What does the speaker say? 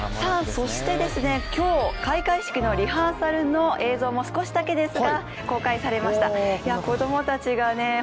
そしてですね、今日開会式のリハーサルの映像も少しだけ公開されました子どもたちがね